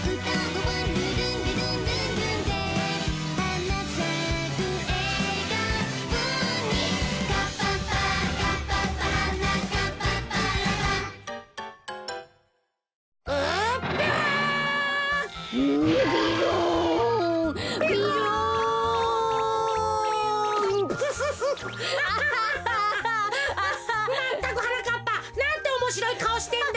まったくはなかっぱなんておもしろいかおしてんだ！